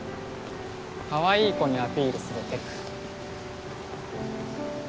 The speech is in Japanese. かわいい子にアピールするテク。